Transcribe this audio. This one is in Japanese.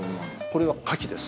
◆これは花器です。